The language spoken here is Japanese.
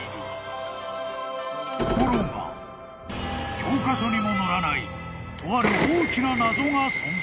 ［教科書にも載らないとある大きな謎が存在］